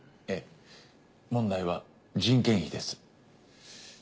ええ問題は人件費です。